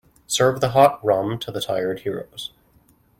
Serve the hot rum to the tired heroes.